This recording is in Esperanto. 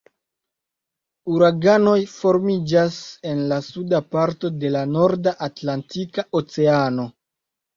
Uraganoj formiĝas en la suda parto de la Norda Atlantika Oceano.